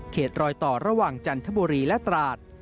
รอยต่อระหว่างจันทบุรีและตราด